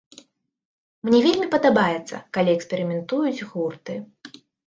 Мне вельмі падабаецца, калі эксперыментуюць гурты.